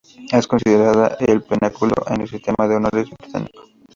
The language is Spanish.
Es considerada el pináculo en el sistema de honores británico.